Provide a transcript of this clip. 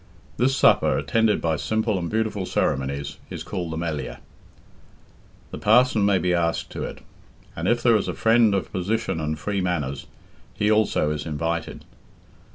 This supper, attended by simple and beautiful ceremonies, is called the Melliah. The parson may be asked to it, and if there is a friend of position and free manners, he also is invited.